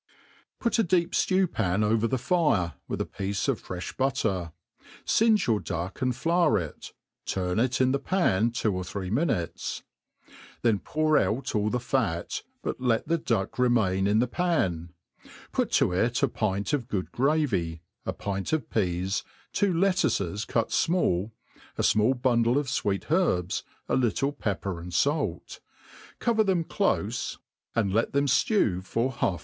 PUT a deep ftew pan over the fire, with a piece of frcft butter ; finge your duck and flour it, turn it in the pan two or three minutes ; then pour out all the fat, but let the duck jremain in the pan ; put to it a pint of good gravy, a pint of peas, two lettuces cut fmall, a fmall bundle of fwect herbs, a >little pepper and fait ; cover them clofe, and let them flew for MADE PLAIN AND EASY.